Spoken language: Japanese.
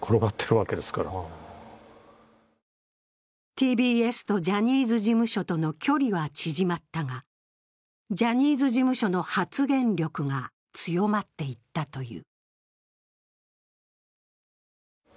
ＴＢＳとジャニーズ事務所との距離は縮まったが、ジャニーズ事務所の発言力が強まっていったという。